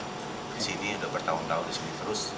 di sini udah bertahun tahun di sini terus